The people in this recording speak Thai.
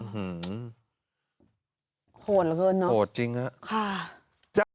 โหดเหลือเกินเนาะโหดจริงเหรอ